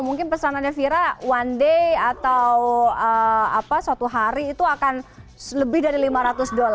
mungkin pesanannya vira one day atau suatu hari itu akan lebih dari lima ratus dolar